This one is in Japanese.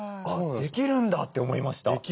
できるんだって思いました。